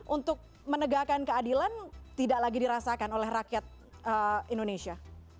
untuk menegakkan keadilan tidak lagi dirasakan oleh rakyat indonesia